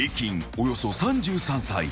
およそ３３歳。